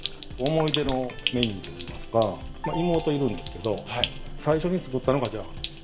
思い出のメニューといいますかまっ妹いるんですけど最初に作ったのがチャーハンです。